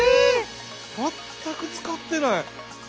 全く使ってない。